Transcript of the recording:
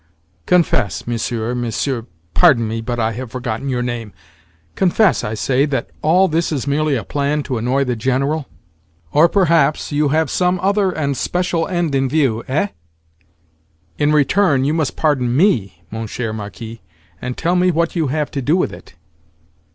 Confess, Monsieur, Monsieur—pardon me, but I have forgotten your name—confess, I say, that all this is merely a plan to annoy the General? Or perhaps, you have some other and special end in view? Eh?" "In return you must pardon me, mon cher Marquis, and tell me what you have to do with it."